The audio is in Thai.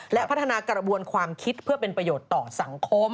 และพัฒนากระบวนความคิดเพื่อเป็นประโยชน์ต่อสังคม